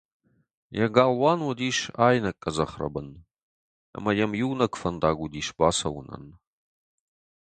Йӕ галуан уыдис айнӕг къӕдзӕх рӕбын, ӕмӕ йӕм иунӕг фӕндаг уыдис бацӕуынӕн.